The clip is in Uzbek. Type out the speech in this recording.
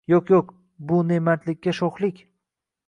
Yoʼq, yoʼq bu ne mardlikka shoʼxlik